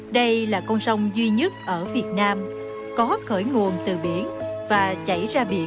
đây là con sông duy nhất ở việt nam có khởi nguồn từ biển và chảy ra biển